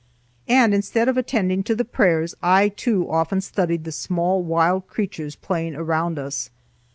And, instead of attending to the prayers, I too often studied the small wild creatures playing around us.